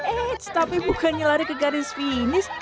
eits tapi bukannya lari ke garis finish